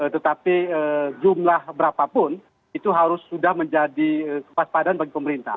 tetapi jumlah berapapun itu harus sudah menjadi kewaspadaan bagi pemerintah